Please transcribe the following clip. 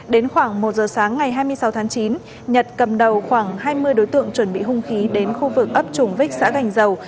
đến khoảng một giờ sáng ngày hai mươi sáu tháng chín nhật cầm đầu khoảng hai mươi đối tượng chuẩn bị hung khí đến khu vực ấp trùng vích xã gành dầu